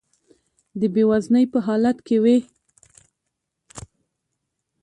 د بې وزنۍ په حالت کې وي.